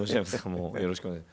もうよろしくお願いします。